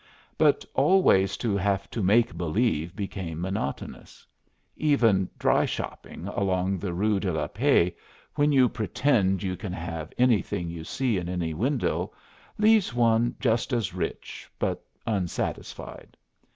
But always to have to make believe became monotonous. Even "dry shopping" along the Rue de la Paix, when you pretend you can have anything you see in any window, leaves one just as rich, but unsatisfied.